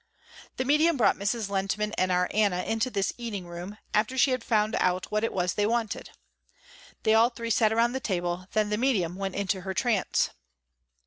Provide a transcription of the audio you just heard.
The medium brought Mrs. Lehntman and our Anna into this eating room, after she had found out what it was they wanted. They all three sat around the table and then the medium went into her trance.